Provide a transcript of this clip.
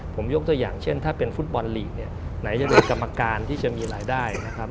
ผมยกตัวอย่างเช่นถ้าเป็นฟุตบอลลีกเนี่ยไหนจะเป็นกรรมการที่จะมีรายได้นะครับ